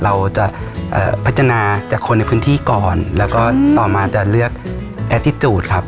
เราจะเอ่อพัฒนาจากคนในพื้นที่ก่อนแล้วก็ต่อมาจะเลือกแอติจูดครับ